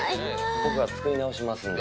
僕が作り直しますんで。